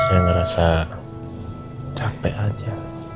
saya merasa capek aja